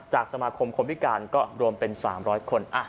สมาคมคนพิการก็รวมเป็น๓๐๐คน